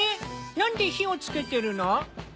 なんで火をつけてるの？